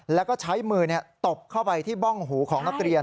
แล้วก็ใช้มือตบเข้าไปที่บ้องหูของนักเรียน